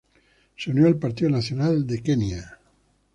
Se unió al Partido Nacional de Kenia.